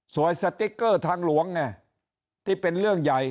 สติ๊กเกอร์ทางหลวงที่เป็นเรื่องใหญ่